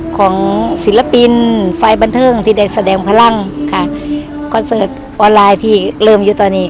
ของศิลปินไฟล์บันเทิงที่ได้แสดงพลังค่ะคอนเสิร์ตออนไลน์ที่เริ่มอยู่ตอนนี้